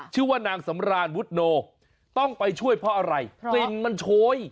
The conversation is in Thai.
ชื่อว่านางสำรานวุฒโนต้องไปช่วยเพราะอะไรกลิ่นมันโชย